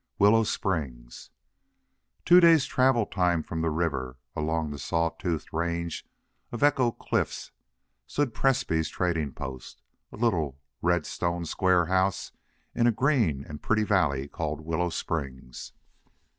XX. WILLOW SPRINGS Two days' travel from the river, along the saw toothed range of Echo Cliffs, stood Presbrey's trading post, a little red stone square house in a green and pretty valley called Willow Springs.